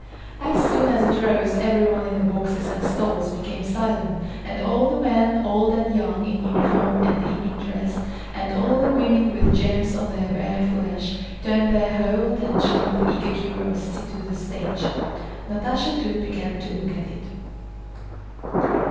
As soon as it rose everyone in the boxes and stalls became silent, and all the men, old and young, in uniform and evening dress, and all the women with gems on their bare flesh, turned their whole attention with eager curiosity to the stage. Natásha too began to look at it.